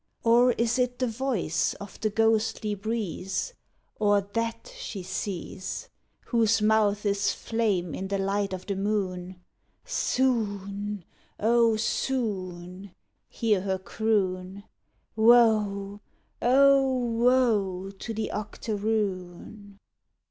Or is it the voice of the ghostly breeze, Or That she sees, Whose mouth is flame in the light o' the moon? "Soon, oh, soon," hear her croon, "_Woe, oh, woe to the octoroon!